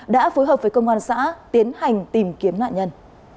đã phối hợp với công an xã tiến hành tìm kiếm nạn nhân